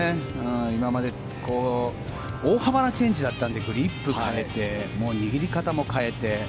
今まで大幅なチェンジだったのでグリップ変えて握り方も変えて。